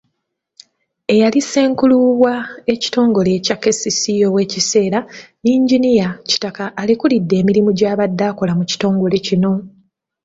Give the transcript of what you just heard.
Eyali Ssenkulu wa w'ekitongole kya KCCA ow'ekiseera, yinginiya Kitaka, alekulidde emirimu gy'abaddeko mu kitongole kino.